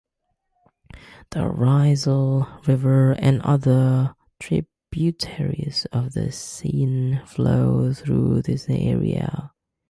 The Risle River and other tributaries of the Seine flow through this area.